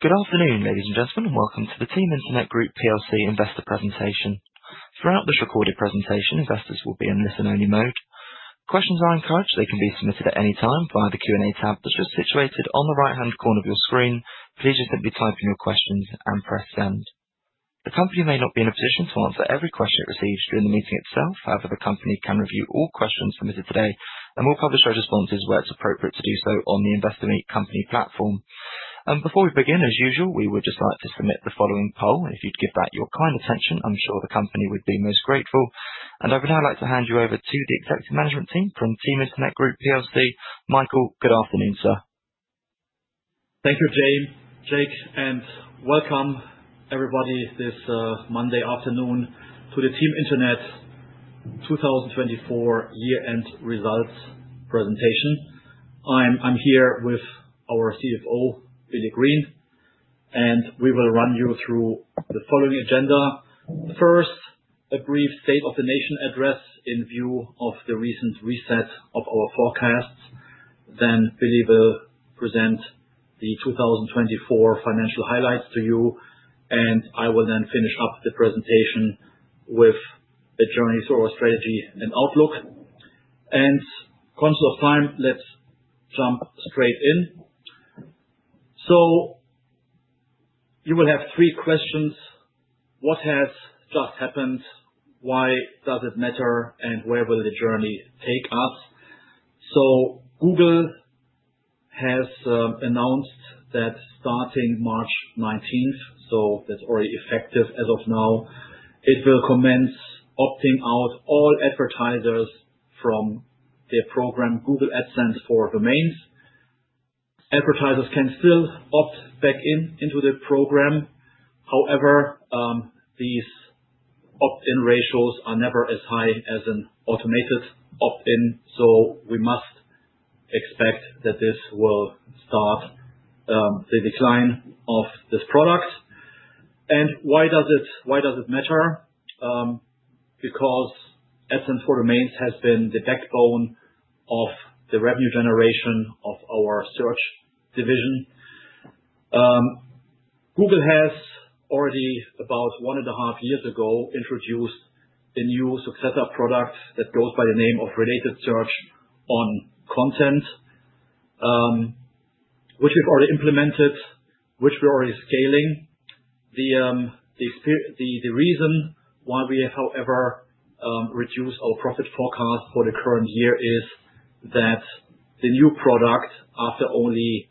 Good afternoon, ladies and gentlemen, and welcome to the Team Internet Group investor presentation. Throughout this recorded presentation, investors will be in listen-only mode. Questions are encouraged; they can be submitted at any time via the Q&A tab that's just situated on the right-hand corner of your screen. Please just simply type in your questions and press send. The company may not be in a position to answer every question it receives during the meeting itself. However, the company can review all questions submitted today and will publish our responses where it's appropriate to do so on the Investor Meet Company platform. Before we begin, as usual, we would just like to submit the following poll. If you'd give that your kind attention, I'm sure the company would be most grateful. I would now like to hand you over to the Executive Management Team from Team Internet Group. Michael, good afternoon, sir. Thank you, Jake and welcome everybody this Monday afternoon to the Team Internet 2024 year-end results presentation. I'm here with our CFO, Billy Green, and we will run you through the following agenda. First, a brief State of the Nation address in view of the recent reset of our forecasts. Then Billy will present the 2024 financial highlights to you, and I will then finish up the presentation with a journey through our strategy and outlook. In consult of time, let's jump straight in. You will have three questions: What has just happened? Why does it matter? And where will the journey take us? Google has announced that starting 19 March 2025, so that's already effective as of now, it will commence opting out all advertisers from their program, Google AdSense for Domains. Advertisers can still opt back in into the program. However, these opt-in ratios are never as high as an automated opt-in, so we must expect that this will start the decline of this product. Why does it matter? Because AdSense for Domains has been the backbone of the revenue generation of our Search division. Google has already, about one and a half years ago, introduced a new successor product that goes by the name of Related Search on Content, which we've already implemented, which we're already scaling. The reason why we have, however, reduced our profit forecast for the current year is that the new product, after only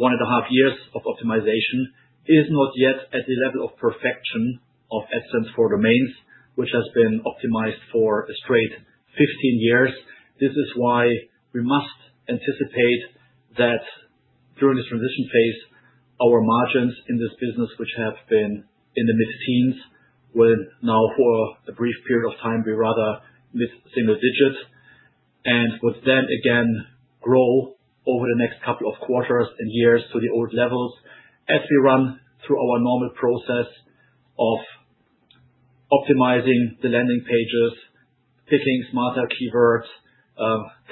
one and a half years of optimization, is not yet at the level of perfection of AdSense for Domains, which has been optimized for a straight 15 years. This is why we must anticipate that during this transition phase, our margins in this business, which have been in the mid-teens, will now, for a brief period of time, be rather mid-single digits, and would then again grow over the next couple of quarters and years to the old levels as we run through our normal process of optimizing the landing pages, picking smarter keywords,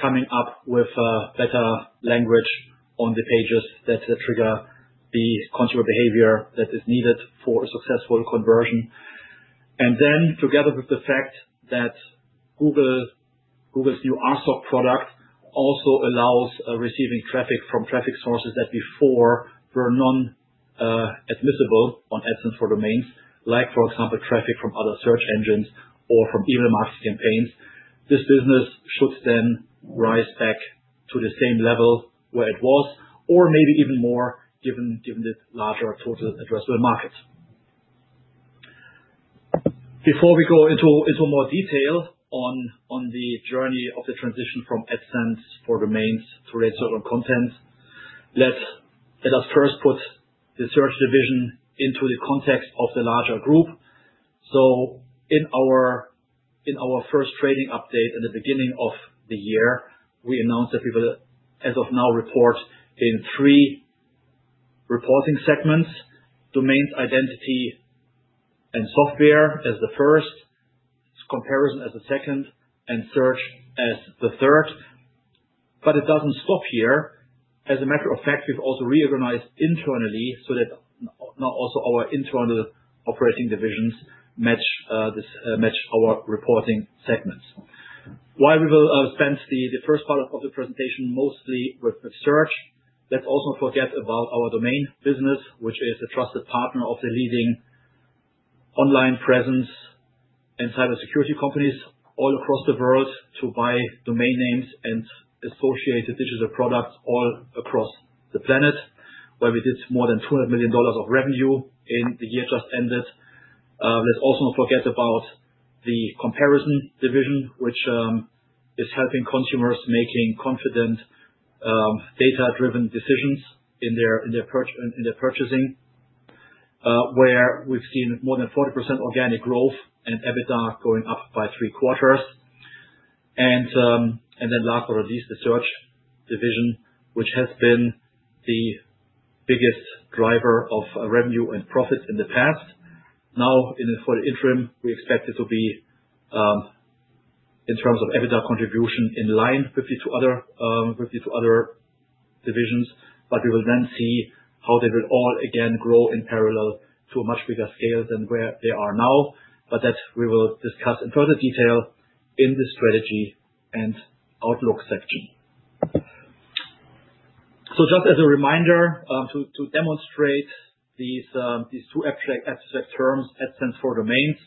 coming up with better language on the pages that trigger the consumer behavior that is needed for a successful conversion. Together with the fact that Google's new RSOC product also allows receiving traffic from traffic sources that before were non-admissible on AdSense for Domains, like, for example, traffic from other search engines or from email marketing campaigns, this business should then rise back to the same level where it was, or maybe even more, given the larger total addressable market. Before we go into more detail on the journey of the transition from AdSense for Domains to Related Search on Content, let us first put the Search division into the context of the larger group. In our first trading update at the beginning of the year, we announced that we will, as of now, report in three reporting segments: Domains, Identity & Software as the first, Comparison as the second, and Search as the third. It does not stop here. As a matter of fact, we have also reorganized internally so that now also our internal operating divisions match our reporting segments. While we will spend the first part of the presentation mostly with Search, let's also forget about our domain business, which is a trusted partner of the leading online presence and cybersecurity companies all across the world to buy domain names and associated digital products all across the planet, where we did more than $200 million of revenue in the year just ended. Let's also forget about the Comparison division, which is helping consumers make confident data-driven decisions in their purchasing, where we've seen more than 40% organic growth and EBITDA going up by three quarters. Last but not least, the Search division, which has been the biggest driver of revenue and profits in the past. Now, for the interim, we expect it to be, in terms of EBITDA contribution, in line with the other divisions. We will then see how they will all again grow in parallel to a much bigger scale than where they are now, but that we will discuss in further detail in the strategy and outlook section. Just as a reminder to demonstrate these two abstract terms, AdSense for Domains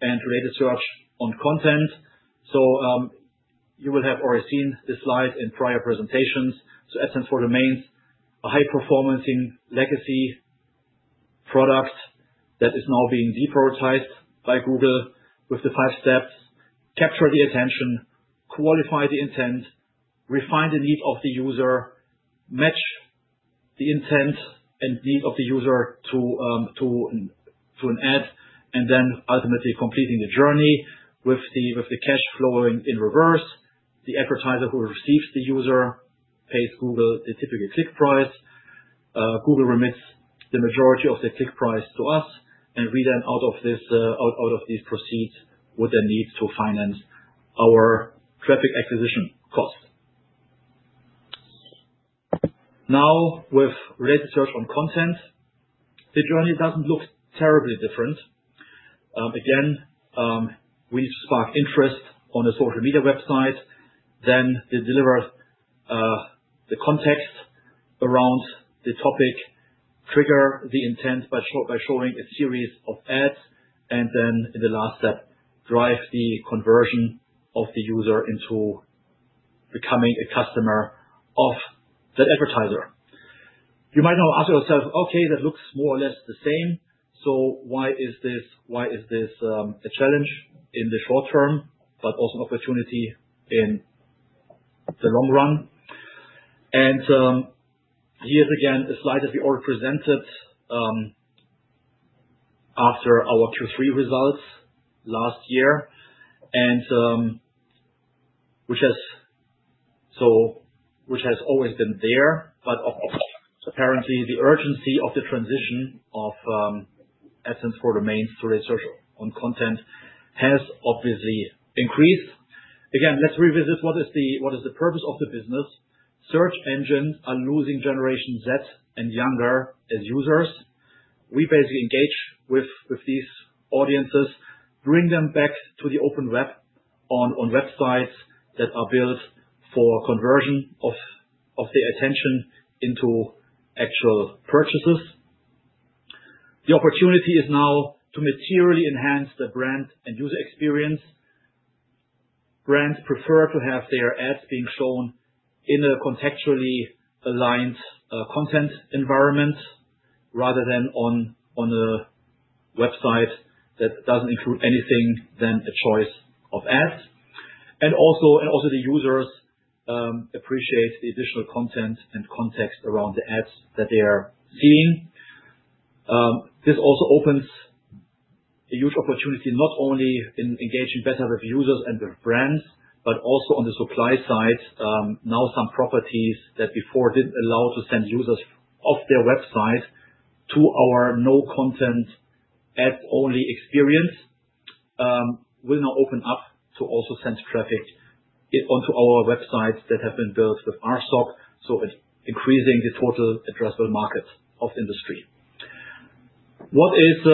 and Related Search on Content, you will have already seen this slide in prior presentations. AdSense for Domains, a high-performing legacy product that is now being deprioritized by Google with the five steps: capture the attention, qualify the intent, refine the need of the user, match the intent and need of the user to an ad, and then ultimately completing the journey with the cash flowing in reverse. The advertiser who receives the user pays Google the typical click price. Google remits the majority of the click price to us, and we then, out of these proceeds, would then need to finance our traffic acquisition cost. Now, with Related Search on Content, the journey doesn't look terribly different. Again, we need to spark interest on a social media website, then deliver the context around the topic, trigger the intent by showing a series of ads, and then in the last step, drive the conversion of the user into becoming a customer of that advertiser. You might now ask yourself, "Okay, that looks more or less the same. Why is this a challenge in the short term, but also an opportunity in the long run? Here is again a slide that we already presented after our Q3 results last year, which has always been there, but apparently the urgency of the transition of AdSense for Domains to Related Search on Content has obviously increased. Again, let's revisit what is the purpose of the business. Search engines are losing Generation Z and younger as users. We basically engage with these audiences, bring them back to the open web on websites that are built for conversion of their attention into actual purchases. The opportunity is now to materially enhance the brand and user experience. Brands prefer to have their ads being shown in a contextually aligned content environment rather than on a website that does not include anything other than a choice of ads. Also, the users appreciate the additional content and context around the ads that they are seeing. This also opens a huge opportunity not only in engaging better with users and with brands, but also on the supply side. Now, some properties that before did not allow to send users off their website to our no-content, ad-only experience will now open up to also send traffic onto our websites that have been built with RSOC, so increasing the total addressable market of industry. What is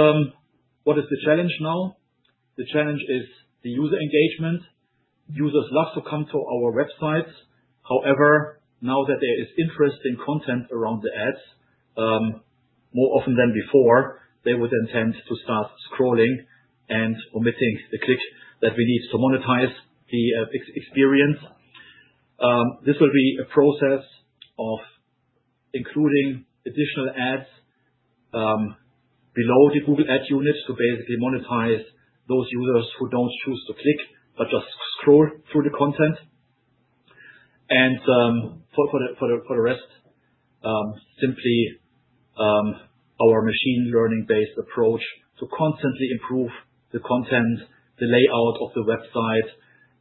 the challenge now? The challenge is the user engagement. Users love to come to our websites. However, now that there is interesting content around the ads, more often than before, they would intend to start scrolling and omitting the click that we need to monetize the experience. This will be a process of including additional ads below the Google Ads unit to basically monetize those users who don't choose to click but just scroll through the content. For the rest, simply our machine learning-based approach to constantly improve the content, the layout of the website,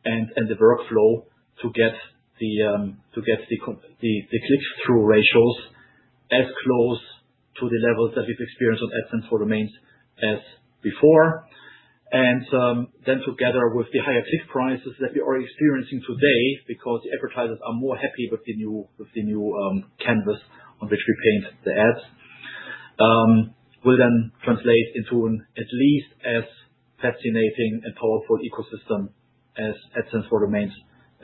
and the workflow to get the click-through ratios as close to the levels that we've experienced on AdSense for Domains as before. Together with the higher click prices that we are experiencing today because the advertisers are more happy with the new canvas on which we paint the ads, this will then translate into an at least as fascinating and powerful ecosystem as AdSense for Domains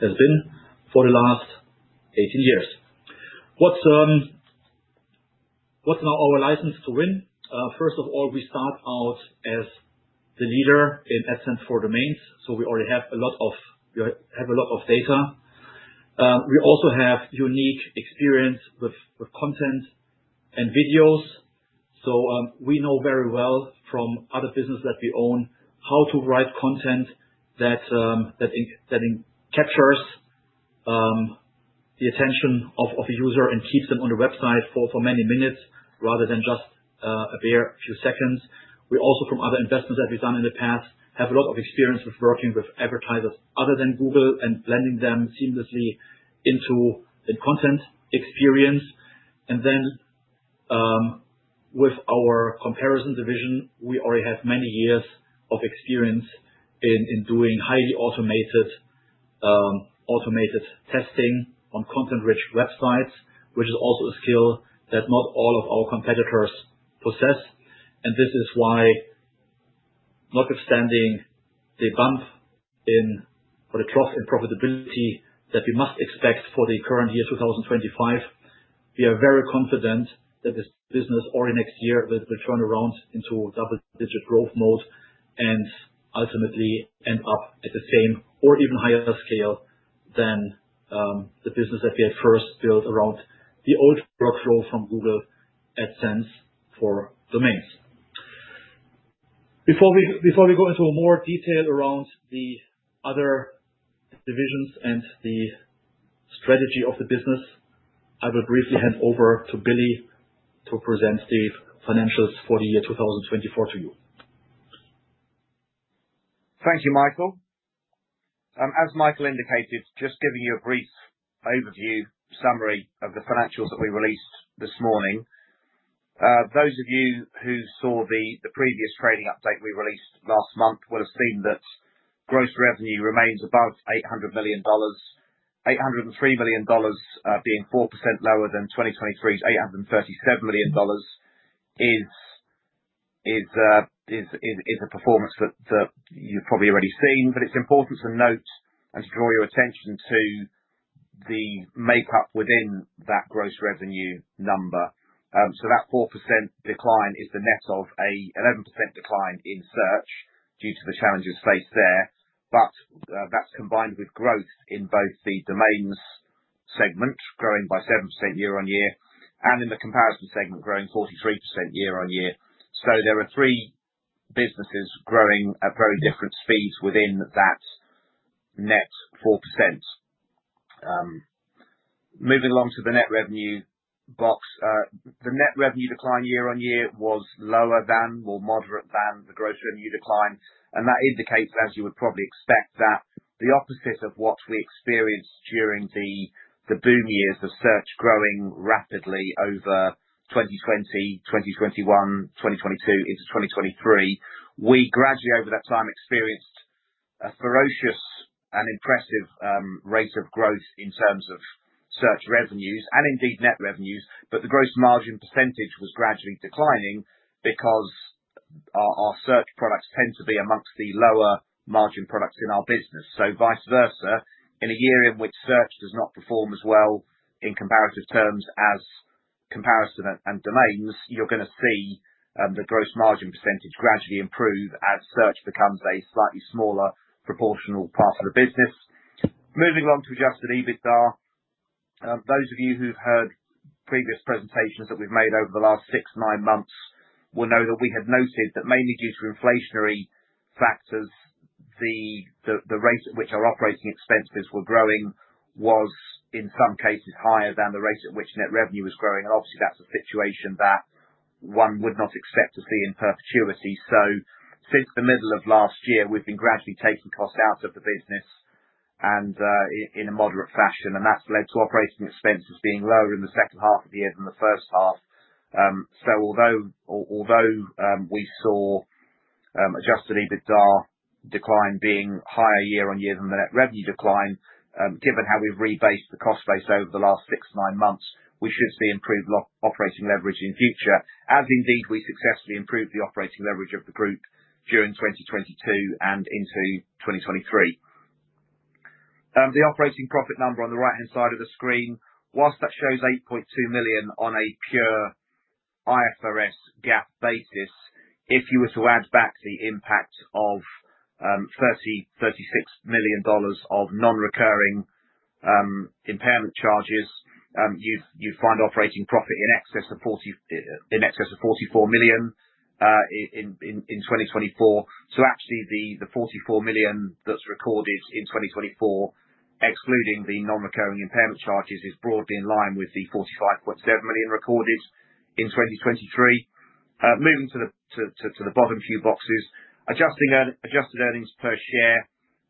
has been for the last 18 years. What's now our license to win? First of all, we start out as the leader in AdSense for Domains, so we already have a lot of data. We also have unique experience with content and videos. We know very well from other businesses that we own how to write content that captures the attention of a user and keeps them on the website for many minutes rather than just a bare few seconds. We also, from other investments that we've done in the past, have a lot of experience with working with advertisers other than Google and blending them seamlessly into the content experience. With our Comparison division, we already have many years of experience in doing highly automated testing on content-rich websites, which is also a skill that not all of our competitors possess. This is why, notwithstanding the bump in profitability that we must expect for the current year, 2025, we are very confident that this business, already next year, will turn around into double-digit growth mode and ultimately end up at the same or even higher scale than the business that we had first built around the old workflow from Google AdSense for Domains. Before we go into more detail around the other divisions and the strategy of the business, I will briefly hand over to Billy to present the financials for the year 2024 to you. Thank you, Michael. As Michael indicated, just giving you a brief overview summary of the financials that we released this morning. Those of you who saw the previous trading update we released last month will have seen that gross revenue remains above $800 million. $803 million being 4% lower than 2023's $837 million is a performance that you've probably already seen. It's important to note and to draw your attention to the makeup within that gross revenue number. That 4% decline is the net of an 11% decline in Search due to the challenges faced there. That's combined with growth in both the Domains segment, growing by 7% year on year, and in the Comparison segment, growing 43% year on year. There are three businesses growing at very different speeds within that net 4%. Moving along to the net revenue box, the net revenue decline year on year was lower than or moderate than the gross revenue decline. That indicates, as you would probably expect, that the opposite of what we experienced during the boom years of Search growing rapidly over 2020, 2021, 2022 into 2023, we gradually over that time experienced a ferocious and impressive rate of growth in terms of Search revenues and indeed net revenues. The gross margin percentage was gradually declining because our Search products tend to be amongst the lower margin products in our business. Vice versa, in a year in which Search does not perform as well in comparative terms as Comparison and Domains, you're going to see the gross margin percentage gradually improve as Search becomes a slightly smaller proportional part of the business. Moving along to adjusted EBITDA, those of you who've heard previous presentations that we've made over the last six, nine months will know that we had noted that mainly due to inflationary factors, the rate at which our operating expenses were growing was in some cases higher than the rate at which net revenue was growing. Obviously, that's a situation that one would not expect to see in perpetuity. Since the middle of last year, we've been gradually taking costs out of the business in a moderate fashion. That's led to operating expenses being lower in the second half of the year than the first half. Although we saw adjusted EBITDA decline being higher year on year than the net revenue decline, given how we've rebased the cost base over the last six to nine months, we should see improved operating leverage in future, as indeed we successfully improved the operating leverage of the group during 2022 and into 2023. The operating profit number on the right-hand side of the screen, whilst that shows $8.2 million on a pure IFRS GAAP basis, if you were to add back the impact of $36 million of non-recurring impairment charges, you'd find operating profit in excess of $44 million in 2024. Actually, the $44 million that's recorded in 2024, excluding the non-recurring impairment charges, is broadly in line with the $45.7 million recorded in 2023. Moving to the bottom few boxes, adjusted earnings per share,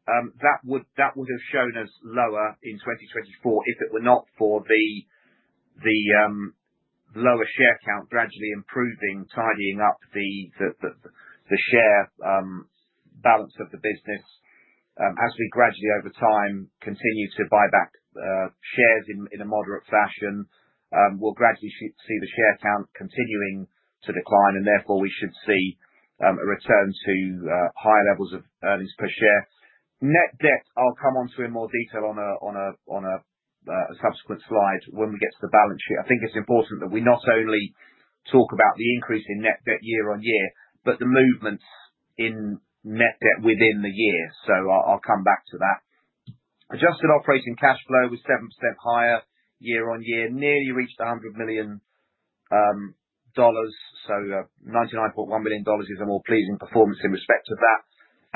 that would have shown us lower in 2024 if it were not for the lower share count gradually improving, tidying up the share balance of the business. As we gradually over time continue to buy back shares in a moderate fashion, we'll gradually see the share count continuing to decline. Therefore, we should see a return to higher levels of earnings per share. Net debt, I'll come on to in more detail on a subsequent slide when we get to the balance sheet. I think it's important that we not only talk about the increase in net debt year on year, but the movements in net debt within the year. I'll come back to that. Adjusted operating cash flow was 7% higher year on year, nearly reached $100 million. $99.1 million is a more pleasing performance in respect to that.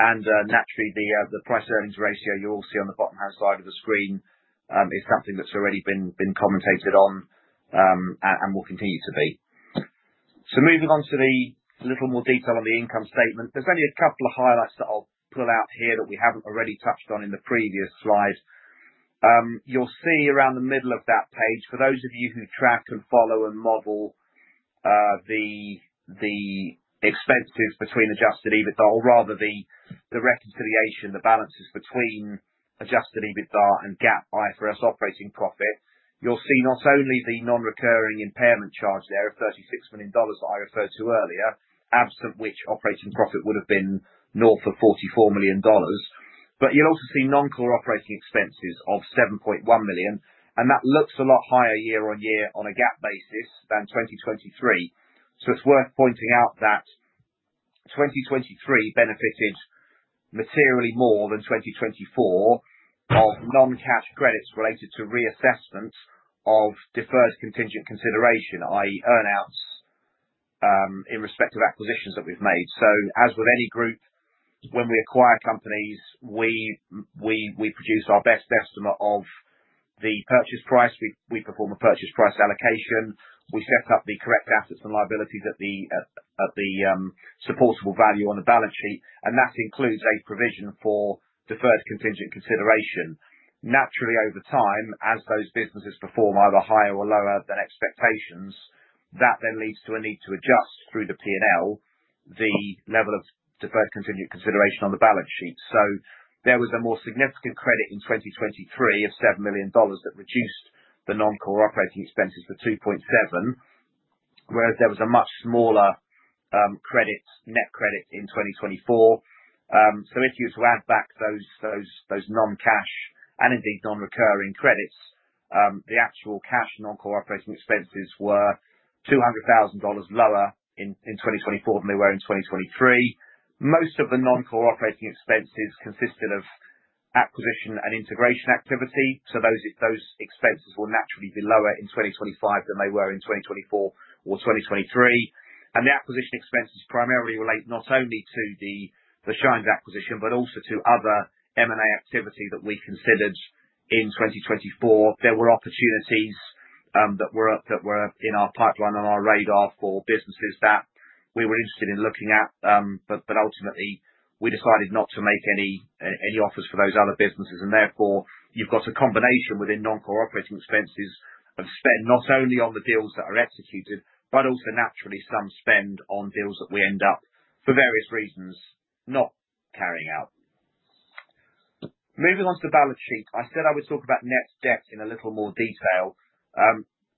Naturally, the price-earnings ratio you all see on the bottom-hand side of the screen is something that's already been commentated on and will continue to be. Moving on to a little more detail on the income statement, there's only a couple of highlights that I'll pull out here that we haven't already touched on in the previous slide. You'll see around the middle of that page, for those of you who track and follow and model the expenses between adjusted EBITDA or rather the reconciliation, the balances between adjusted EBITDA and GAAP IFRS operating profit, you'll see not only the non-recurring impairment charge there of $36 million that I referred to earlier, absent which operating profit would have been north of $44 million. You'll also see non-core operating expenses of $7.1 million. That looks a lot higher year on year on a GAAP basis than 2023. It is worth pointing out that 2023 benefited materially more than 2024 from non-cash credits related to reassessment of deferred contingent consideration, i.e., earnings in respect of acquisitions that we have made. As with any group, when we acquire companies, we produce our best estimate of the purchase price. We perform a purchase price allocation. We set up the correct assets and liabilities at the supportable value on the balance sheet. That includes a provision for deferred contingent consideration. Naturally, over time, as those businesses perform either higher or lower than expectations, that then leads to a need to adjust through the P&L the level of deferred contingent consideration on the balance sheet. There was a more significant credit in 2023 of $7 million that reduced the non-core operating expenses to $2.7 million, whereas there was a much smaller net credit in 2024. If you were to add back those non-cash and indeed non-recurring credits, the actual cash non-core operating expenses were $200,000 lower in 2024 than they were in 2023. Most of the non-core operating expenses consisted of acquisition and integration activity. Those expenses will naturally be lower in 2025 than they were in 2024 or 2023. The acquisition expenses primarily relate not only to the Shinez acquisition but also to other M&A activity that we considered in 2024. There were opportunities that were in our pipeline on our radar for businesses that we were interested in looking at. Ultimately, we decided not to make any offers for those other businesses. You have a combination within non-core operating expenses of spend not only on the deals that are executed but also naturally some spend on deals that we end up, for various reasons, not carrying out. Moving on to the balance sheet, I said I would talk about net debt in a little more detail.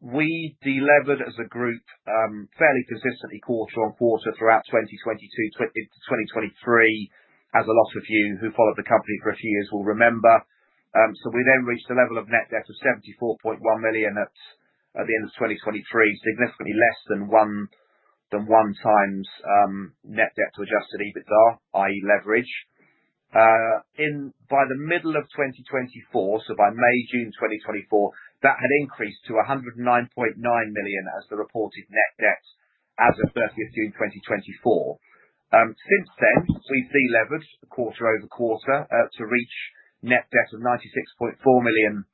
We delivered as a group fairly consistently quarter on quarter throughout 2022 to 2023, as a lot of you who followed the company for a few years will remember. We then reached a level of net debt of $74.1 million at the end of 2023, significantly less than one times net debt to adjusted EBITDA, i.e., leverage. By the middle of 2024, by May, June 2024, that had increased to $109.9 million as the reported net debt as of 30 June 2024. Since then, we've delivered quarter over quarter to reach net debt of $96.4 million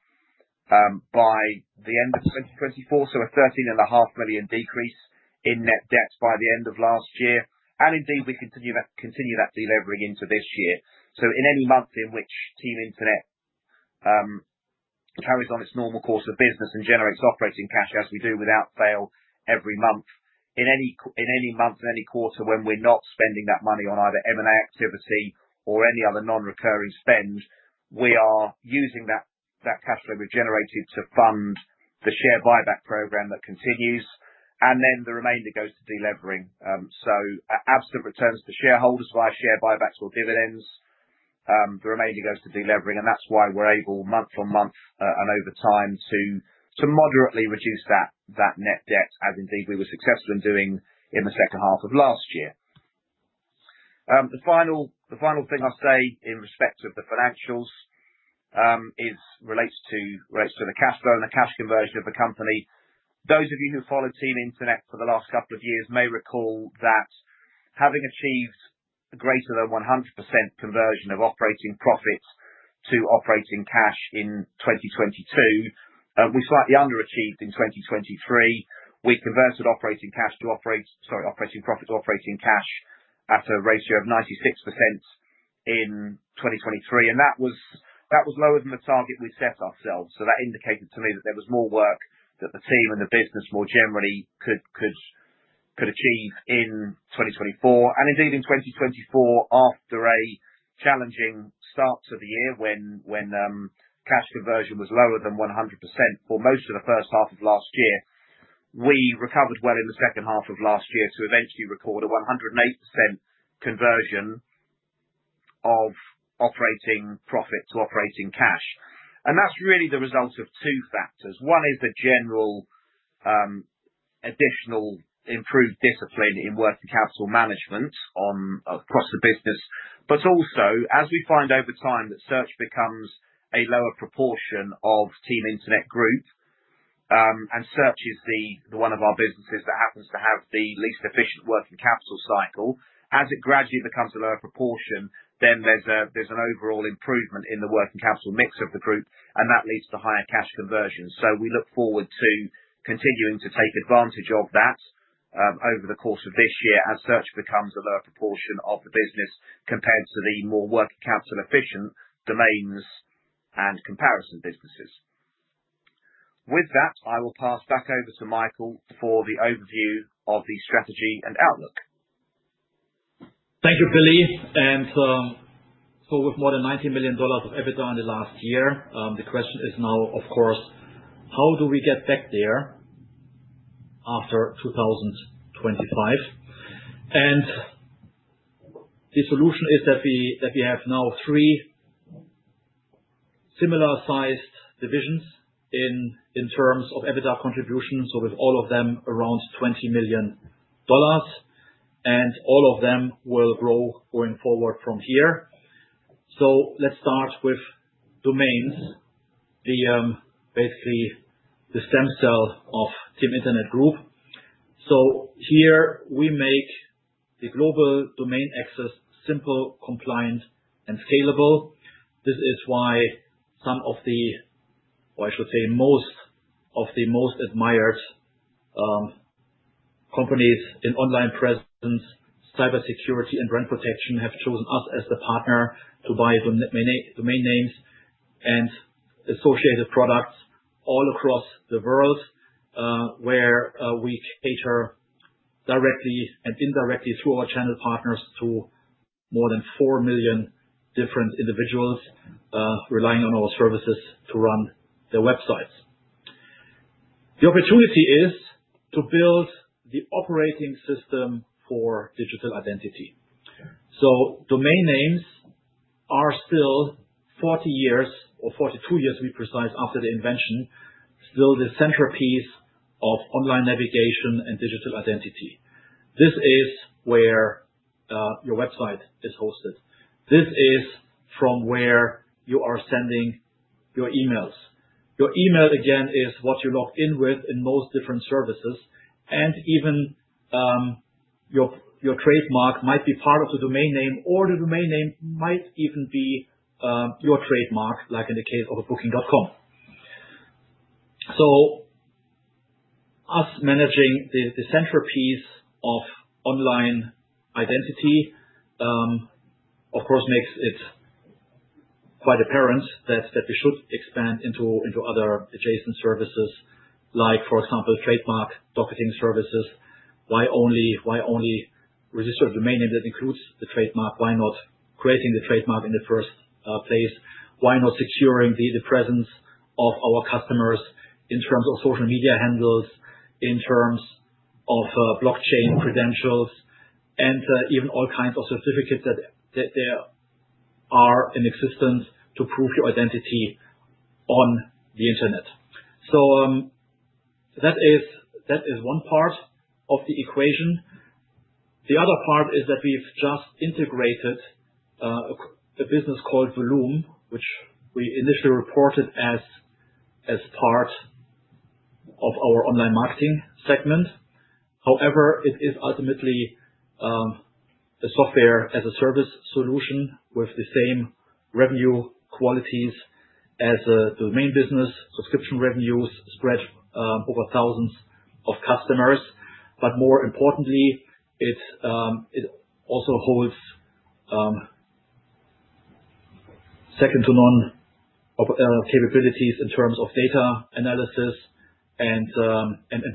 by the end of 2024, so a $13.5 million decrease in net debt by the end of last year. Indeed, we continue that delivering into this year. In any month in which Team Internet carries on its normal course of business and generates operating cash as we do without fail every month, in any month, in any quarter when we're not spending that money on either M&A activity or any other non-recurring spend, we are using that cash flow we've generated to fund the share buyback program that continues. The remainder goes to delivering. Absent returns to shareholders via share buybacks or dividends, the remainder goes to delivering. That is why we are able month on month and over time to moderately reduce that net debt, as indeed we were successful in doing in the second half of last year. The final thing I will say in respect of the financials relates to the cash flow and the cash conversion of the company. Those of you who followed Team Internet for the last couple of years may recall that having achieved greater than 100% conversion of operating profit to operating cash in 2022, we slightly underachieved in 2023. We converted operating profit to operating cash at a ratio of 96% in 2023. That was lower than the target we set ourselves. That indicated to me that there was more work that the team and the business more generally could achieve in 2024. Indeed, in 2024, after a challenging start to the year when cash conversion was lower than 100% for most of the first half of last year, we recovered well in the second half of last year to eventually record a 108% conversion of operating profit to operating cash. That is really the result of two factors. One is a general additional improved discipline in working capital management across the business. Also, as we find over time that Search becomes a lower proportion of Team Internet Group, and Search is one of our businesses that happens to have the least efficient working capital cycle, as it gradually becomes a lower proportion, there is an overall improvement in the working capital mix of the group, and that leads to higher cash conversion. We look forward to continuing to take advantage of that over the course of this year as Search becomes a lower proportion of the business compared to the more working capital efficient Domains and Comparison businesses. With that, I will pass back over to Michael for the overview of the strategy and outlook. Thank you, Billy. With more than $19 million of EBITDA in the last year, the question is now, of course, how do we get back there after 2025? The solution is that we have now three similar-sized divisions in terms of EBITDA contributions, with all of them around $20 million, and all of them will grow going forward from here. Let's start with Domains, basically the stem cell of Team Internet Group. Here we make the global domain access simple, compliant, and scalable. This is why some of the, or I should say most of the most admired companies in online presence, cybersecurity, and brand protection have chosen us as the partner to buy domain names and associated products all across the world where we cater directly and indirectly through our channel partners to more than 4 million different individuals relying on our services to run their websites. The opportunity is to build the operating system for digital identity. Domain names are still 40 years or 42 years, to be precise, after the invention, still the centerpiece of online navigation and digital identity. This is where your website is hosted. This is from where you are sending your emails. Your email, again, is what you log in with in most different services. Even your trademark might be part of the domain name, or the domain name might even be your trademark, like in the case of a Booking.com. Us managing the centerpiece of online identity, of course, makes it quite apparent that we should expand into other adjacent services, like, for example, trademark docketing services. Why only register a domain name that includes the trademark? Why not creating the trademark in the first place? Why not securing the presence of our customers in terms of social media handles, in terms of blockchain credentials, and even all kinds of certificates that there are in existence to prove your identity on the internet? That is one part of the equation. The other part is that we've just integrated a business called Voluum, which we initially reported as part of our online marketing segment. However, it is ultimately a software-as-a-service solution with the same revenue qualities as a domain business, subscription revenues spread over thousands of customers. More importantly, it also holds second-to-none capabilities in terms of data analysis and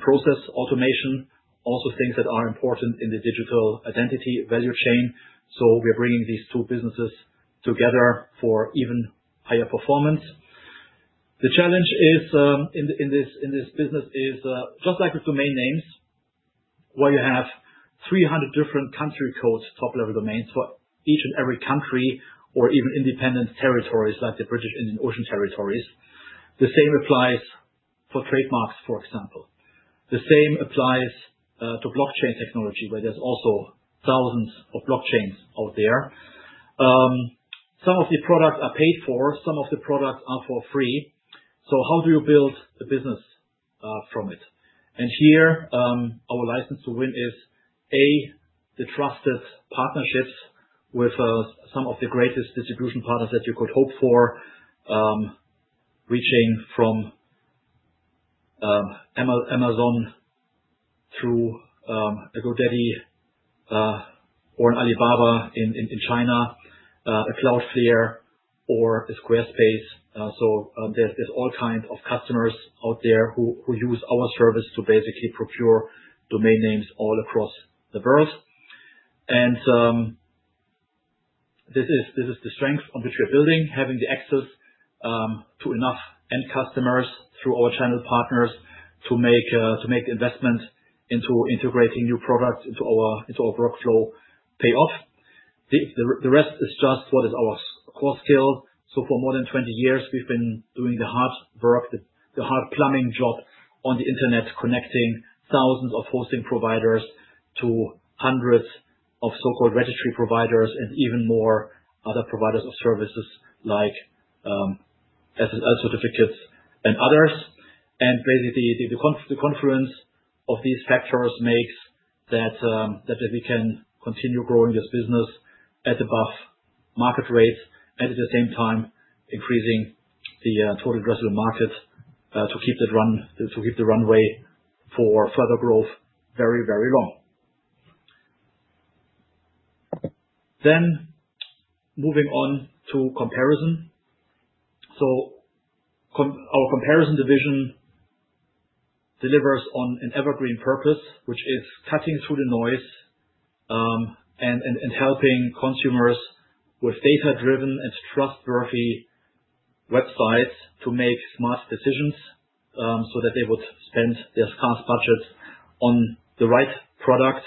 process automation, also things that are important in the digital identity value chain. We are bringing these two businesses together for even higher performance. The challenge in this business is just like with domain names, where you have 300 different country codes, top-level Domains for each and every country or even independent territories like the British Indian Ocean Territory. The same applies for trademarks, for example. The same applies to blockchain technology, where there are also thousands of blockchains out there. Some of the products are paid for. Some of the products are for free. How do you build a business from it? Here, our license to win is, A, the trusted partnerships with some of the greatest distribution partners that you could hope for, reaching from Amazon through a GoDaddy or an Alibaba in China, a Cloudflare, or a Squarespace. There are all kinds of customers out there who use our service to basically procure domain names all across the world. This is the strength on which we're building, having the access to enough end customers through our channel partners to make the investment into integrating new products into our workflow pay off. The rest is just what is our core skill. For more than 20 years, we've been doing the hard work, the hard plumbing job on the internet, connecting thousands of hosting providers to hundreds of so-called registry providers and even more other providers of services like SSL certificates and others. Basically, the confluence of these factors makes that we can continue growing this business at above market rates and at the same time increasing the total addressable market to keep the runway for further growth very, very long. Moving on to Comparison. Our Comparison division delivers on an evergreen purpose, which is cutting through the noise and helping consumers with data-driven and trustworthy websites to make smart decisions so that they would spend their scarce budgets on the right product,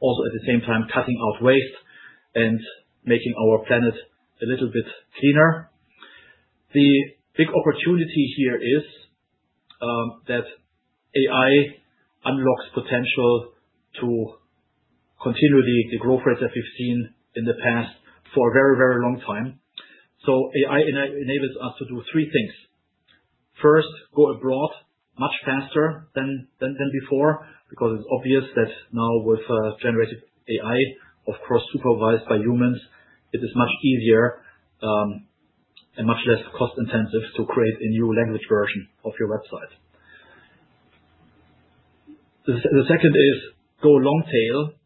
also at the same time cutting out waste and making our planet a little bit cleaner. The big opportunity here is that AI unlocks potential to continue the growth rates that we've seen in the past for a very, very long time. AI enables us to do three things. First, go abroad much faster than before because it's obvious that now with generative AI, of course, supervised by humans, it is much easier and much less cost-intensive to create a new language version of your website. The second is go long-tail.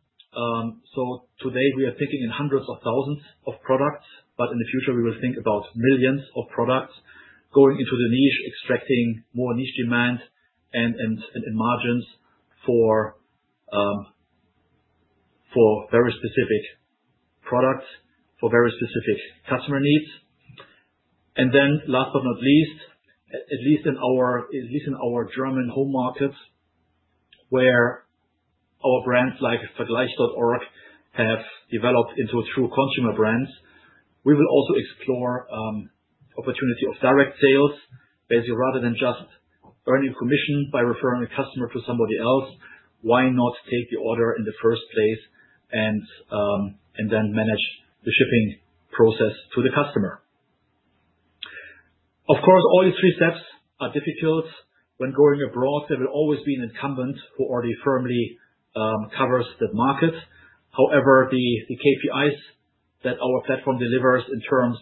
Today, we are thinking in hundreds of thousands of products, but in the future, we will think about millions of products going into the niche, extracting more niche demand and margins for very specific products, for very specific customer needs. Last but not least, at least in our German home market, where our brands like Vergleich.org have developed into true consumer brands, we will also explore the opportunity of direct sales. Basically, rather than just earning commission by referring a customer to somebody else, why not take the order in the first place and then manage the shipping process to the customer? Of course, all these three steps are difficult. When going abroad, there will always be an incumbent who already firmly covers the market. However, the KPIs that our platform delivers in terms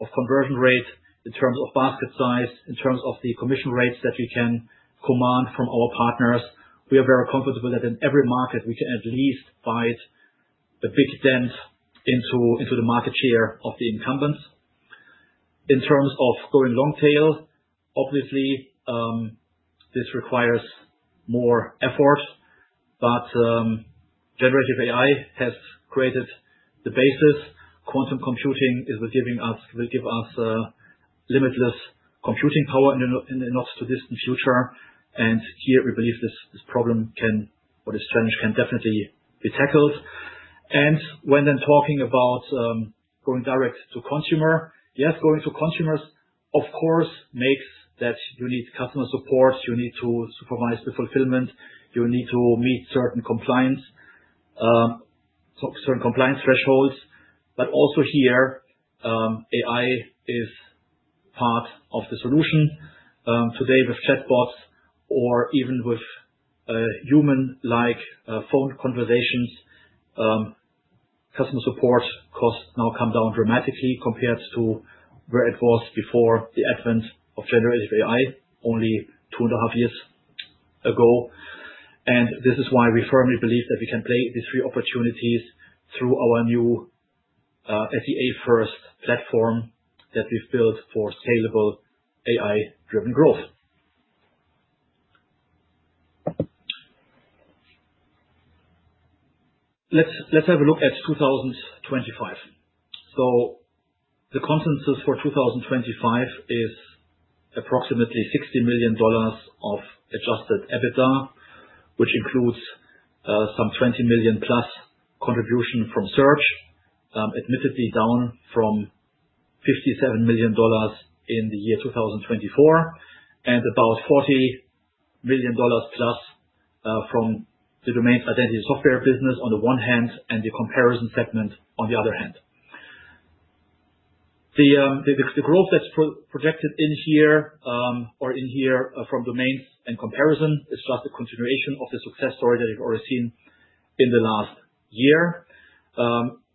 of conversion rate, in terms of basket size, in terms of the commission rates that we can command from our partners, we are very comfortable that in every market, we can at least bite a big dent into the market share of the incumbents. In terms of going long-tail, obviously, this requires more effort, but generative AI has created the basis. Quantum computing will give us limitless computing power in the not-too-distant future. Here, we believe this problem or this challenge can definitely be tackled. When then talking about going direct to consumer, yes, going to consumers, of course, makes that you need customer support, you need to supervise the fulfillment, you need to meet certain compliance thresholds. Also here, AI is part of the solution. Today, with chatbots or even with human-like phone conversations, customer support costs now come down dramatically compared to where it was before the advent of generative AI, only two and a half years ago. This is why we firmly believe that we can play these three opportunities through our new SEA-first platform that we've built for scalable AI-driven growth. Let's have a look at 2025. The consensus for 2025 is approximately $60 million of adjusted EBITDA, which includes some $20 million-plus contribution from Search, admittedly down from $57 million in the year 2024, and about $40 million-plus from the domain identity software business on the one hand and the Comparison segment on the other hand. The growth that's projected in here or in here from Domains and Comparison is just a continuation of the success story that we've already seen in the last year.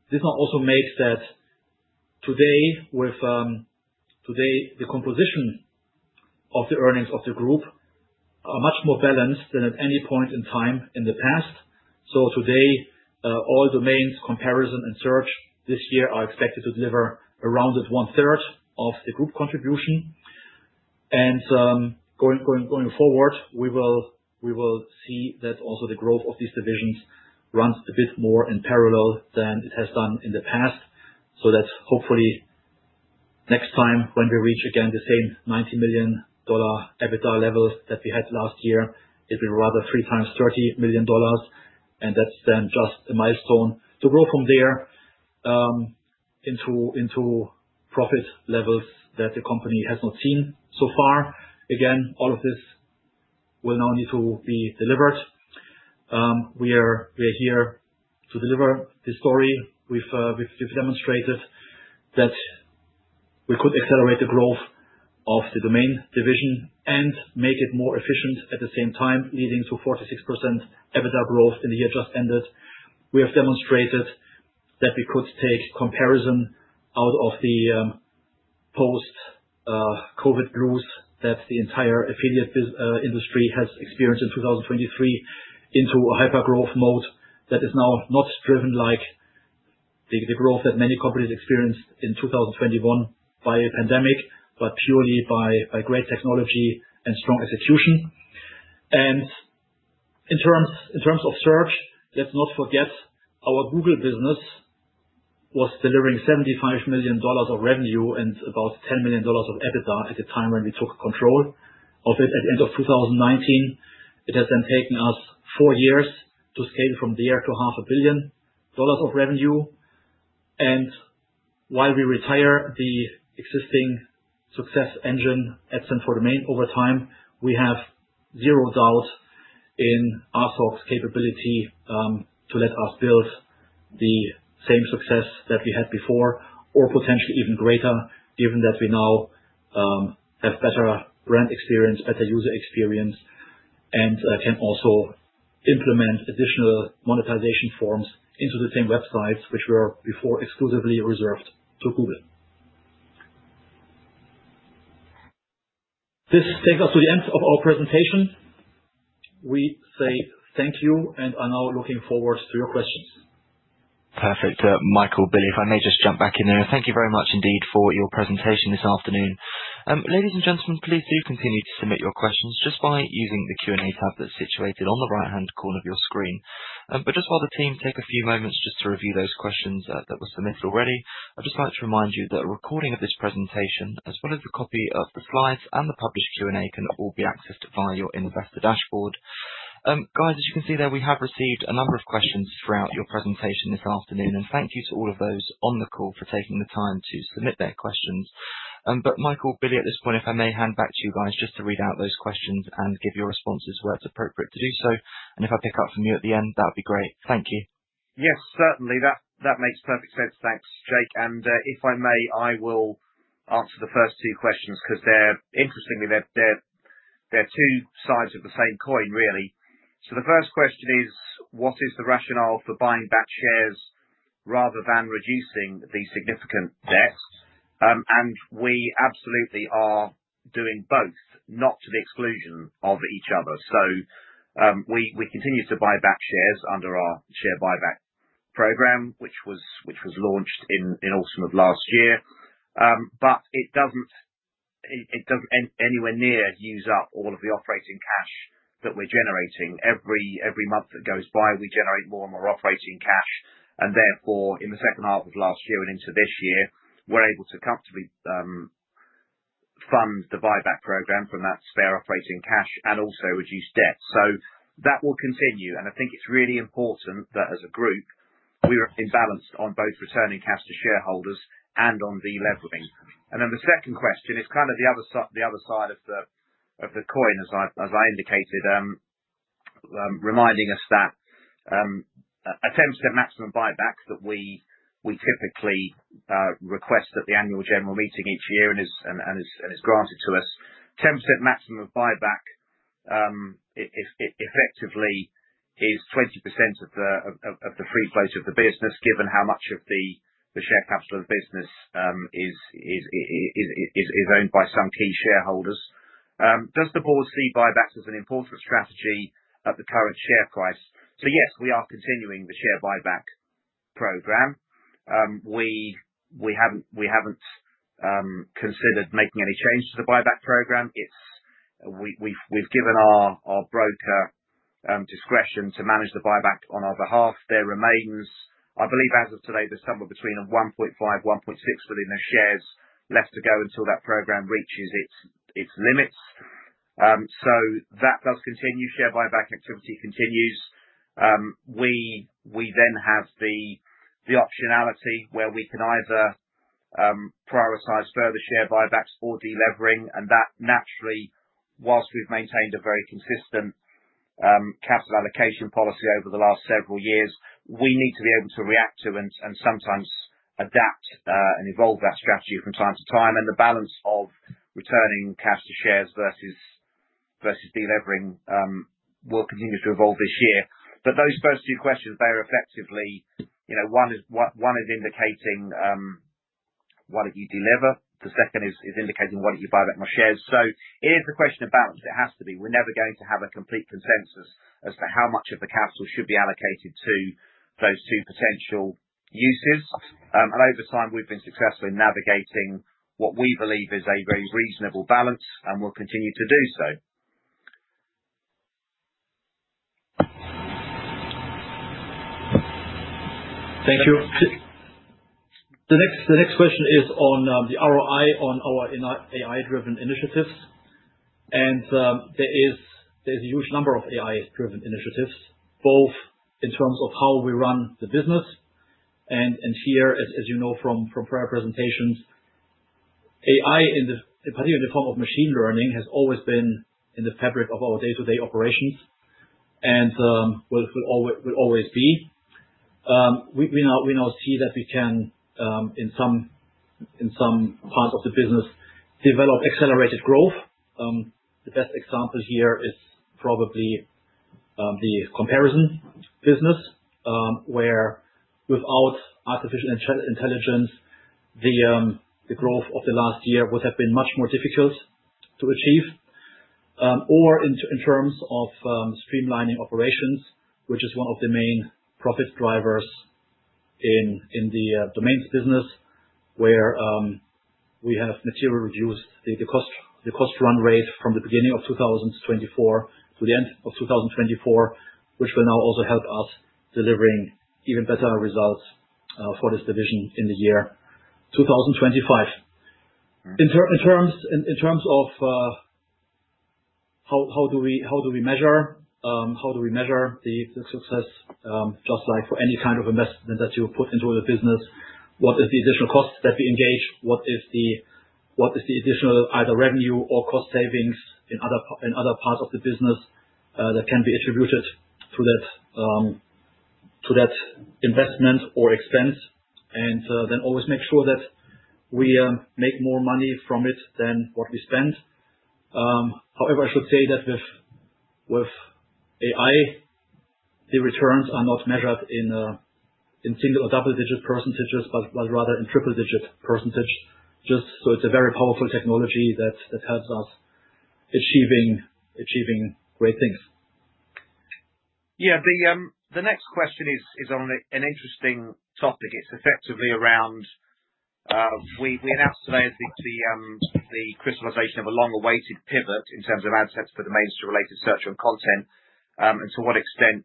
This also makes that today, with today, the composition of the earnings of the group are much more balanced than at any point in time in the past. Today, all Domains, Comparison, and Search this year are expected to deliver around one-third of the group contribution. Going forward, we will see that also the growth of these divisions runs a bit more in parallel than it has done in the past. Hopefully, next time when we reach again the same $90 million EBITDA level that we had last year, it will be rather three times $30 million. That is then just a milestone to grow from there into profit levels that the company has not seen so far. Again, all of this will now need to be delivered. We are here to deliver this story. We have demonstrated that we could accelerate the growth of the domain division and make it more efficient at the same time, leading to 46% EBITDA growth in the year just ended. We have demonstrated that we could take Comparison out of the post-COVID blues that the entire affiliate industry has experienced in 2023 into a hyper-growth mode that is now not driven like the growth that many companies experienced in 2021 by a pandemic, but purely by great technology and strong execution. In terms of Search, let's not forget our Google business was delivering $75 million of revenue and about $10 million of EBITDA at the time when we took control of it at the end of 2019. It has then taken us four years to scale from there to $500 million of revenue. While we retire the existing success engine AdSense for Domain over time, we have zero doubt in RSOC's capability to let us build the same success that we had before or potentially even greater, given that we now have better brand experience, better user experience, and can also implement additional monetization forms into the same websites, which were before exclusively reserved to Google. This takes us to the end of our presentation. We say thank you and are now looking forward to your questions. Perfect. Michael, Billy, if I may just jump back in there. Thank you very much indeed for your presentation this afternoon. Ladies and gentlemen, please do continue to submit your questions just by using the Q&A tab that's situated on the right-hand corner of your screen. Just while the team take a few moments to review those questions that were submitted already, I'd just like to remind you that a recording of this presentation, as well as the copy of the slides and the published Q&A, can all be accessed via your Investor Dashboard. Guys, as you can see there, we have received a number of questions throughout your presentation this afternoon. Thank you to all of those on the call for taking the time to submit their questions. Michael, Billy, at this point, if I may hand back to you guys just to read out those questions and give your responses where it's appropriate to do so. If I pick up from you at the end, that would be great. Thank you. Yes, certainly. That makes perfect sense. Thanks, Jake. If I may, I will answer the first two questions because they're interestingly, they're two sides of the same coin, really. The first question is, what is the rationale for buying back shares rather than reducing the significant debt? We absolutely are doing both, not to the exclusion of each other. We continue to buy back shares under our share buyback program, which was launched in autumn of last year. It does not anywhere near use up all of the operating cash that we're generating. Every month that goes by, we generate more and more operating cash. Therefore, in the second half of last year and into this year, we're able to comfortably fund the buyback program from that spare operating cash and also reduce debt. That will continue. I think it's really important that as a group, we remain balanced on both returning cash to shareholders and on delivering. The second question is kind of the other side of the coin, as I indicated, reminding us that attempts at maximum buyback that we typically request at the annual general meeting each year and is granted to us. Attempts at maximum buyback effectively is 20% of the free float of the business, given how much of the share capital of the business is owned by some key shareholders. Does the board see buyback as an important strategy at the current share price? Yes, we are continuing the share buyback program. We haven't considered making any change to the buyback program. We've given our broker discretion to manage the buyback on our behalf. There remains, I believe, as of today, there's somewhere between 1.5-1.6 billion of shares left to go until that program reaches its limits. That does continue. Share buyback activity continues. We then have the optionality where we can either prioritize further share buybacks or delivering. That, naturally, whilst we've maintained a very consistent capital allocation policy over the last several years, we need to be able to react to and sometimes adapt and evolve that strategy from time to time. The balance of returning cash to shares versus delivering will continue to evolve this year. Those first two questions, they're effectively one is indicating what did you deliver? The second is indicating what did you buy back my shares? It is a question of balance. It has to be. We're never going to have a complete consensus as to how much of the capital should be allocated to those two potential uses. Over time, we've been successful in navigating what we believe is a very reasonable balance, and we'll continue to do so. Thank you. The next question is on the ROI on our AI-driven initiatives. There is a huge number of AI-driven initiatives, both in terms of how we run the business. As you know from prior presentations, AI, in particular in the form of machine learning, has always been in the fabric of our day-to-day operations and will always be. We now see that we can, in some parts of the business, develop accelerated growth. The best example here is probably the Comparison business, where without artificial intelligence, the growth of the last year would have been much more difficult to achieve. In terms of streamlining operations, which is one of the main profit drivers in the Domains business, we have materially reduced the cost run rate from the beginning of 2024 to the end of 2024, which will now also help us deliver even better results for this division in the year 2025. In terms of how do we measure, how do we measure the success, just like for any kind of investment that you put into the business? What is the additional cost that we engage? What is the additional either revenue or cost savings in other parts of the business that can be attributed to that investment or expense? Always make sure that we make more money from it than what we spend. However, I should say that with AI, the returns are not measured in single or double-digit percentages, but rather in triple-digit percentages. Just so it's a very powerful technology that helps us achieving great things. Yeah. The next question is on an interesting topic. It's effectively around we announced today the crystallization of a long-awaited pivot in terms of AdSense for Domains Related to Search on Content. To what extent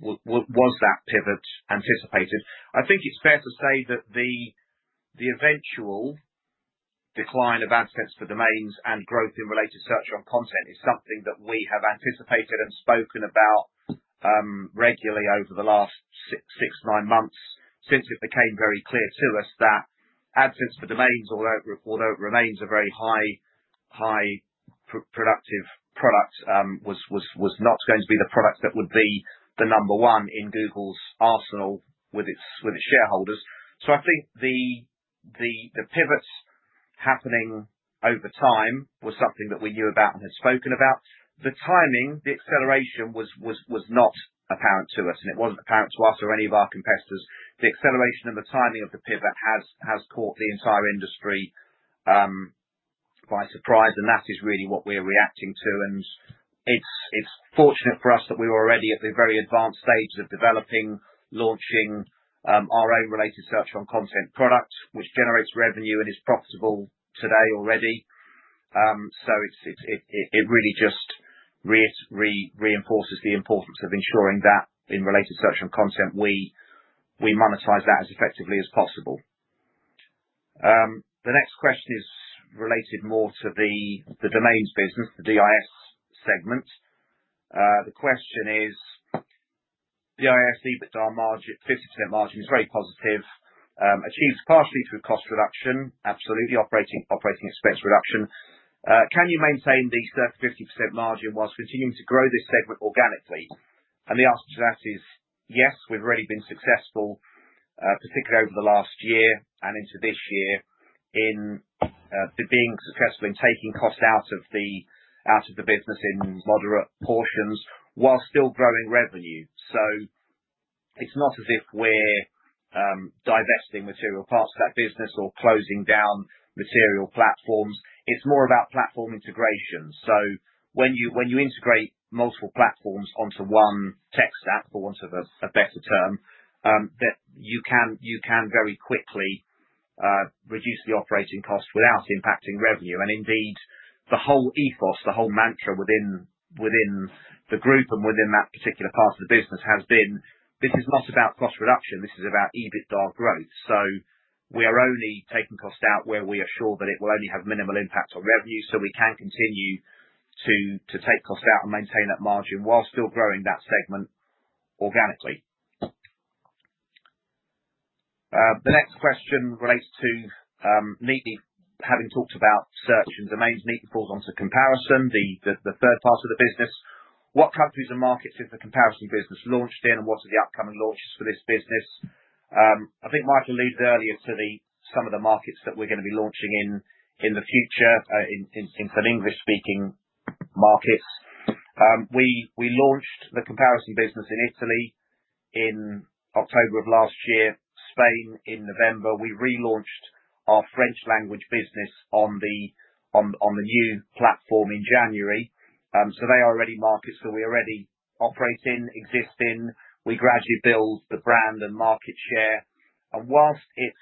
was that pivot anticipated? I think it's fair to say that the eventual decline of AdSense for Domains and growth in Related Search on Content is something that we have anticipated and spoken about regularly over the last six to nine months since it became very clear to us that AdSense for Domains, although it remains a very high-productive product, was not going to be the product that would be the number one in Google's arsenal with its shareholders. I think the pivots happening over time were something that we knew about and had spoken about. The timing, the acceleration was not apparent to us, and it wasn't apparent to us or any of our competitors. The acceleration and the timing of the pivot has caught the entire industry by surprise, and that is really what we're reacting to. It is fortunate for us that we were already at the very advanced stage of developing, launching our own Related Search on Content product, which generates revenue and is profitable today already. It just reinforces the importance of ensuring that in Related Search on Content, we monetize that as effectively as possible. The next question is related more to the Domains business, the DIS segment. The question is, DIS EBITDA margin, 50% margin is very positive, achieved partially through cost reduction. Absolutely, operating expense reduction. Can you maintain the circa 50% margin whilst continuing to grow this segment organically? The answer to that is yes, we've already been successful, particularly over the last year and into this year, in being successful in taking cost out of the business in moderate portions while still growing revenue. It's not as if we're divesting material parts of that business or closing down material platforms. It's more about platform integration. When you integrate multiple platforms onto one tech stack, for want of a better term, you can very quickly reduce the operating cost without impacting revenue. Indeed, the whole ethos, the whole mantra within the group and within that particular part of the business has been, this is not about cost reduction. This is about EBITDA growth. We are only taking cost out where we are sure that it will only have minimal impact on revenue. We can continue to take cost out and maintain that margin while still growing that segment organically. The next question relates to having talked about Search and Domains, neatly falls onto Comparison, the third part of the business. What countries and markets is the Comparison business launched in, and what are the upcoming launches for this business? I think Michael alluded earlier to some of the markets that we're going to be launching in the future, in some English-speaking markets. We launched the Comparison business in Italy in October of last year, Spain in November. We relaunched our French-language business on the new platform in January. They are already markets that we already operate in, exist in. We gradually build the brand and market share. Whilst it's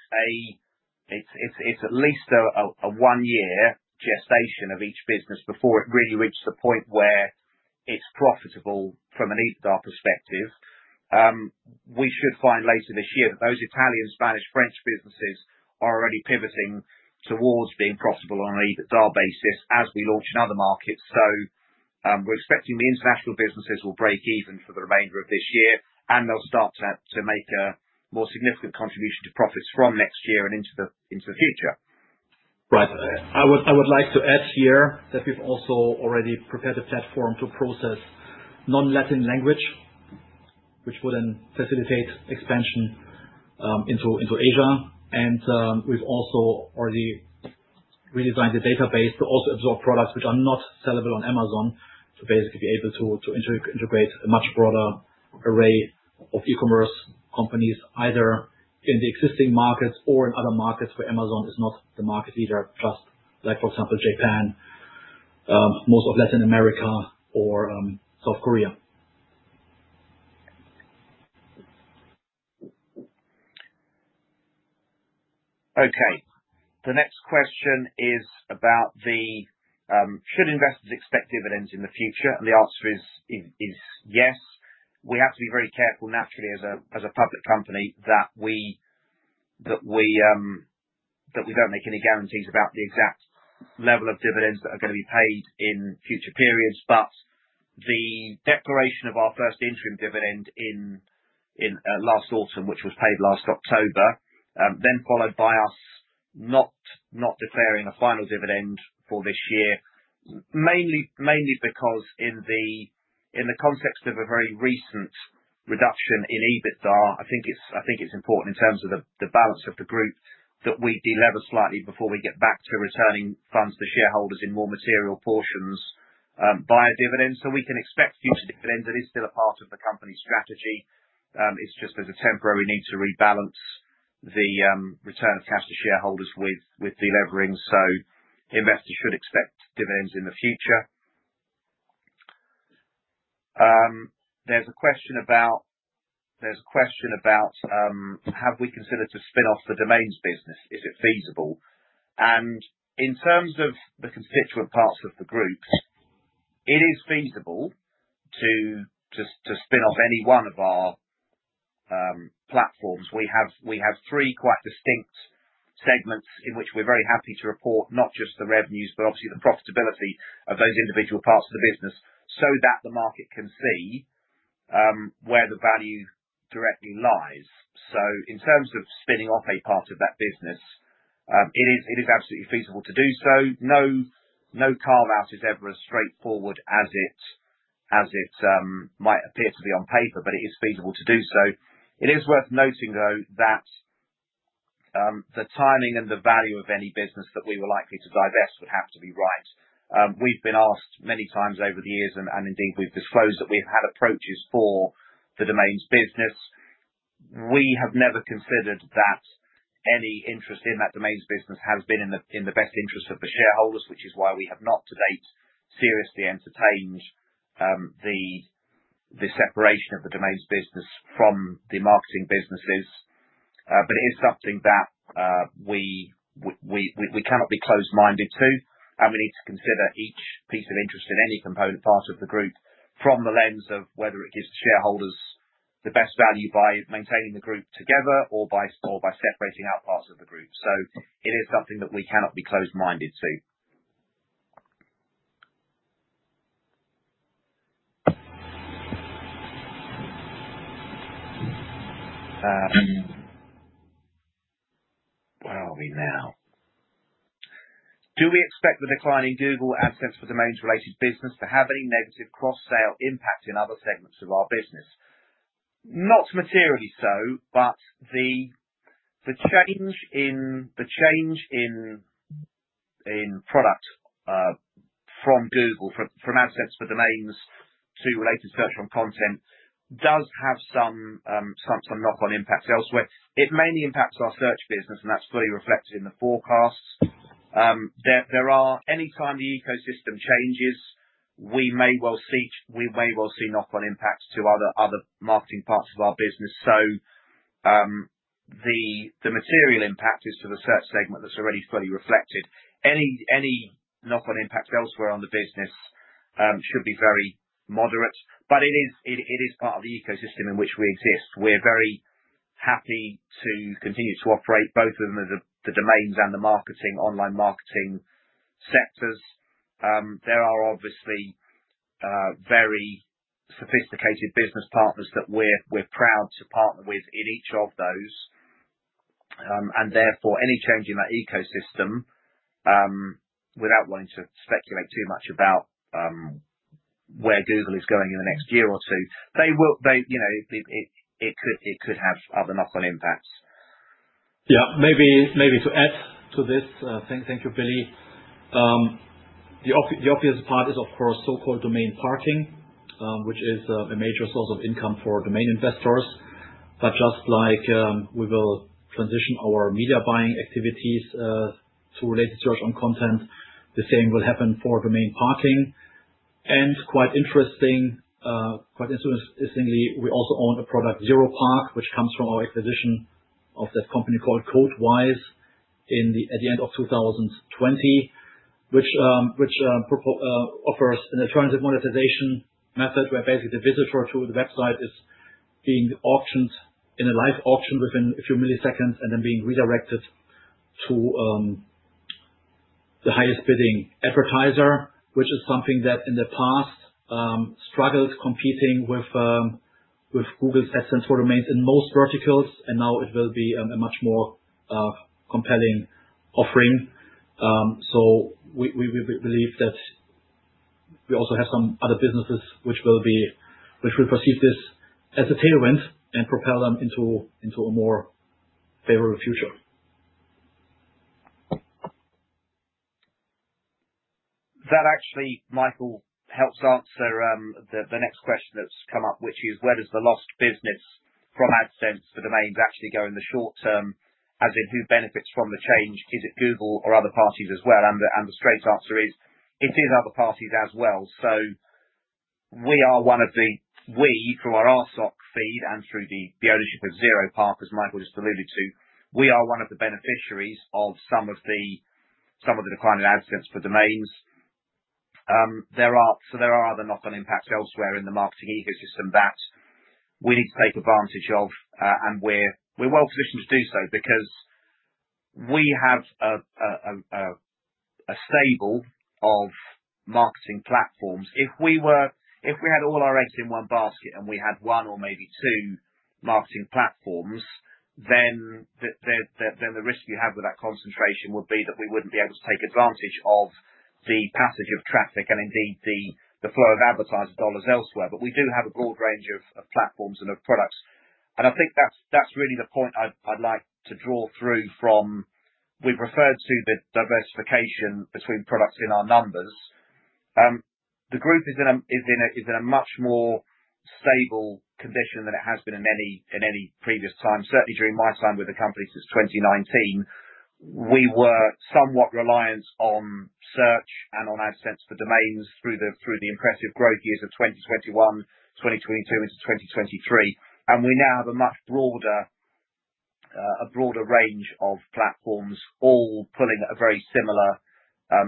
at least a one-year gestation of each business before it really reaches the point where it's profitable from an EBITDA perspective, we should find later this year that those Italian, Spanish, French businesses are already pivoting towards being profitable on an EBITDA basis as we launch in other markets. We are expecting the international businesses will break even for the remainder of this year, and they'll start to make a more significant contribution to profits from next year and into the future. I would like to add here that we've also already prepared a platform to process non-Latin language, which would then facilitate expansion into Asia. We've also already redesigned the database to also absorb products which are not sellable on Amazon to basically be able to integrate a much broader array of e-commerce companies, either in the existing markets or in other markets where Amazon is not the market leader, just like, for example, Japan, most of Latin America, or South Korea. Okay. The next question is about the should investors expect dividends in the future? The answer is yes. We have to be very careful, naturally, as a public company that we don't make any guarantees about the exact level of dividends that are going to be paid in future periods. The declaration of our first interim dividend last autumn, which was paid last October, was then followed by us not declaring a final dividend for this year, mainly because in the context of a very recent reduction in EBITDA, I think it's important in terms of the balance of the group that we deliver slightly before we get back to returning funds to shareholders in more material portions via dividends. We can expect future dividends. It is still a part of the company's strategy. It's just there's a temporary need to rebalance the return of cash to shareholders with delivering. Investors should expect dividends in the future. There's a question about have we considered to spin off the Domains business. Is it feasible? In terms of the constituent parts of the group, it is feasible to spin off any one of our platforms. We have three quite distinct segments in which we're very happy to report not just the revenues, but obviously the profitability of those individual parts of the business so that the market can see where the value directly lies. In terms of spinning off a part of that business, it is absolutely feasible to do so. No carve-out is ever as straightforward as it might appear to be on paper, but it is feasible to do so. It is worth noting, though, that the timing and the value of any business that we were likely to divest would have to be right. We've been asked many times over the years, and indeed, we've disclosed that we have had approaches for the Domains business. We have never considered that any interest in that Domains business has been in the best interest of the shareholders, which is why we have not to date seriously entertained the separation of the Domains business from the marketing businesses. It is something that we cannot be closed-minded to, and we need to consider each piece of interest in any component part of the group from the lens of whether it gives the shareholders the best value by maintaining the group together or by separating out parts of the group. It is something that we cannot be closed-minded to. Where are we now? Do we expect the decline in Google AdSense for Domains-related business to have any negative cross-sale impact in other segments of our business? Not materially so, but the change in product from Google, from AdSense for Domains to Related Search on Content, does have some knock-on impacts elsewhere. It mainly impacts our Search business, and that's fully reflected in the forecasts. Anytime the ecosystem changes, we may well see knock-on impacts to other marketing parts of our business. The material impact is to the Search segment that's already fully reflected. Any knock-on impacts elsewhere on the business should be very moderate, but it is part of the ecosystem in which we exist. We're very happy to continue to operate both within the Domains and the online marketing sectors. There are obviously very sophisticated business partners that we're proud to partner with in each of those. Therefore, any change in that ecosystem, without wanting to speculate too much about where Google is going in the next year or two, it could have other knock-on impacts. Yeah. Maybe to add to this, thank you, Billy. The obvious part is, of course, so-called domain parking, which is a major source of income for domain investors. Just like we will transition our media buying activities to Related Search on Content, the same will happen for domain parking. Quite interestingly, we also own a product, Zeropark, which comes from our acquisition of that company called Codewise at the end of 2020, which offers an alternative monetization method where basically the visitor to the website is being auctioned in a live auction within a few milliseconds and then being redirected to the highest bidding advertiser, which is something that in the past struggled competing with Google's AdSense for Domains in most verticals, and now it will be a much more compelling offering. We believe that we also have some other businesses which will perceive this as a tailwind and propel them into a more favorable future. That actually, Michael, helps answer the next question that's come up, which is, where does the lost business from AdSense for Domains actually go in the short term? As in, who benefits from the change? Is it Google or other parties as well? The straight answer is it is other parties as well. We are one of the, we, through our RSOC feed and through the ownership of Zeropark, as Michael just alluded to, we are one of the beneficiaries of some of the declining AdSense for Domains. There are other knock-on impacts elsewhere in the marketing ecosystem that we need to take advantage of, and we're well positioned to do so because we have a stable of marketing platforms. If we had all our eggs in one basket and we had one or maybe two marketing platforms, the risk you have with that concentration would be that we wouldn't be able to take advantage of the passage of traffic and indeed the flow of advertiser dollars elsewhere. We do have a broad range of platforms and of products. I think that's really the point I'd like to draw through from we've referred to the diversification between products in our numbers. The group is in a much more stable condition than it has been in any previous time. Certainly, during my time with the company since 2019, we were somewhat reliant on Search and on AdSense for Domains through the impressive growth years of 2021, 2022, into 2023. We now have a much broader range of platforms all pulling a very similar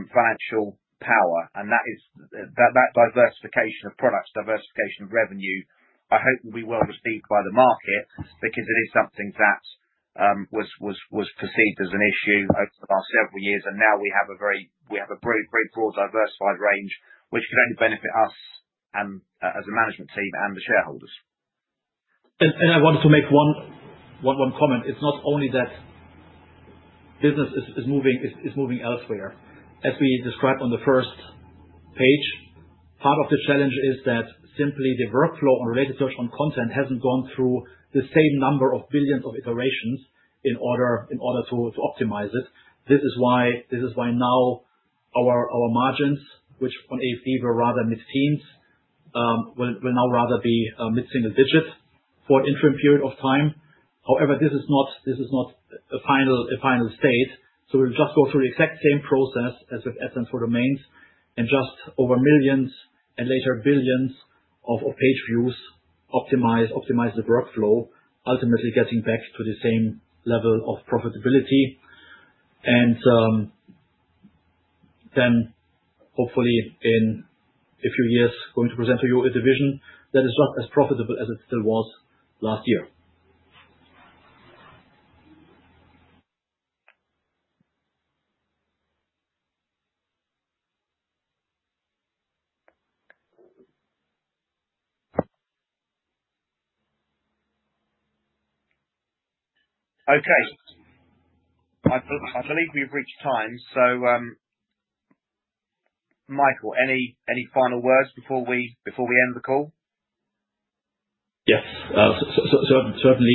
financial power. That diversification of products, diversification of revenue, I hope will be well received by the market because it is something that was perceived as an issue over the last several years. Now we have a very broad, diversified range, which could only benefit us as a management team and the shareholders. I wanted to make one comment. It's not only that business is moving elsewhere. As we described on the first page, part of the challenge is that simply the workflow on Related Search on Content hasn't gone through the same number of billions of iterations in order to optimize it. This is why now our margins, which on AFD were rather mid-teens, will now rather be mid-single digit for an interim period of time. However, this is not a final state. We will just go through the exact same process as with AdSense for Domains and just over millions and later billions of page views optimize the workflow, ultimately getting back to the same level of profitability. Hopefully, in a few years, going to present to you a division that is just as profitable as it still was last year. Okay. I believe we've reached time. Michael, any final words before we end the call? Yes. Certainly.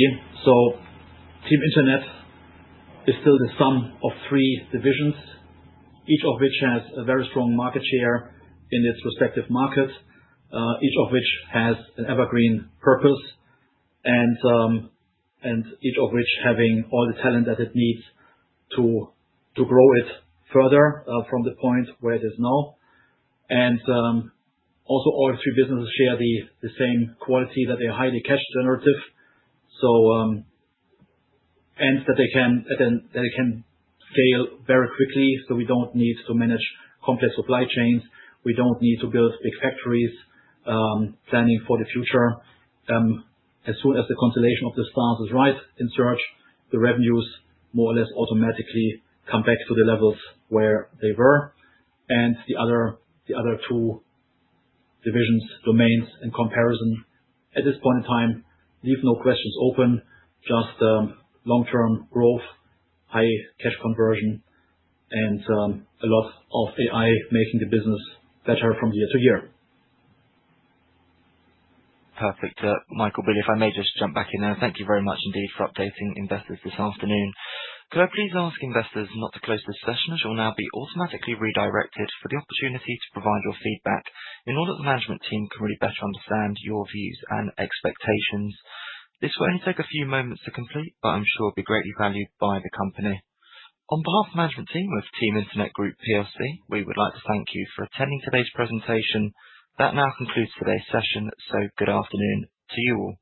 Team Internet is still the sum of three divisions, each of which has a very strong market share in its respective market, each of which has an evergreen purpose, and each of which having all the talent that it needs to grow it further from the point where it is now. Also, all three businesses share the same quality that they are highly cash-generative, and that they can scale very quickly. We do not need to manage complex supply chains. We do not need to build big factories planning for the future. As soon as the constellation of the stars is right in Search, the revenues more or less automatically come back to the levels where they were. The other two divisions, Domains and Comparison, at this point in time, leave no questions open, just long-term growth, high cash conversion, and a lot of AI making the business better from year to year. Perfect. Michael, Billy, if I may just jump back in there. Thank you very much indeed for updating investors this afternoon. Could I please ask investors not to close this session? It will now be automatically redirected for the opportunity to provide your feedback in order that the management team can really better understand your views and expectations. This will only take a few moments to complete, but I am sure it will be greatly valued by the company. On behalf of the management team of Team Internet Group, we would like to thank you for attending today's presentation. That now concludes today's session. Good afternoon to you all.